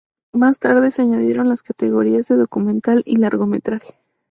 Más tarde se añadieron las categorías de documental y largometraje.